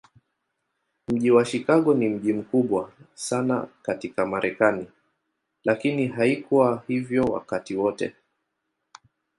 Mji wa Chicago ni mji mkubwa sana katika Marekani, lakini haikuwa hivyo wakati wote.